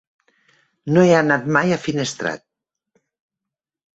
No he anat mai a Finestrat.